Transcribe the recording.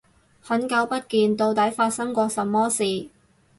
很久不見，到底發生過什麼事